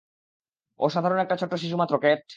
ও সাধারন একটা ছোট্ট শিশুমাত্র, ক্যাট।